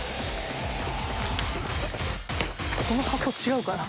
その箱違うかな？